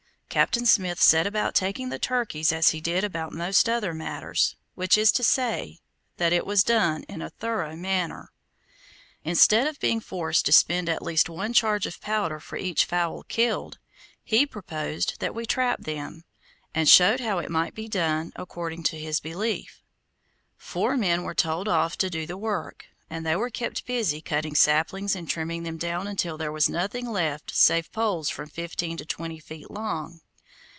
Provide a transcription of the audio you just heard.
Captain Smith set about taking the turkeys as he did about most other matters, which is to say, that it was done in a thorough manner. Instead of being forced to spend at least one charge of powder for each fowl killed, he proposed that we trap them, and showed how it might be done, according to his belief. Four men were told off to do the work, and they were kept busy cutting saplings and trimming them down until there was nothing left save poles from fifteen to twenty feet long.